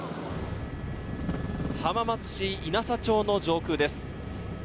浜松市引佐町の上空です。